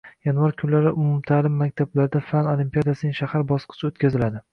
Yanvar kunlari umumtaʼlim maktablarida fan olimpiadasining shahar bosqichi oʻtkaziladi.